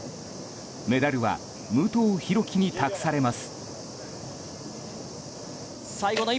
メダルは武藤弘樹に託されます。